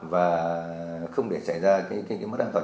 và không để xảy ra cái mất an toàn